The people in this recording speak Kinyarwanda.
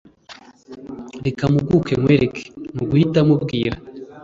reka mpuguke nkwereke… nuguhita mubwira